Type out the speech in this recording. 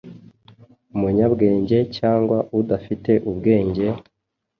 Umunyabwenge cyangwa udafite ubwenge,